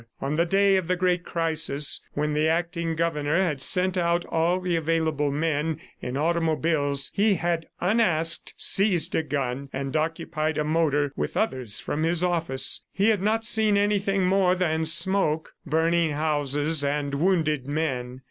On the day of the great crisis, when the acting governor had sent out all the available men in automobiles, he had, unasked, seized a gun and occupied a motor with others from his office. He had not seen anything more than smoke, burning houses, and wounded men.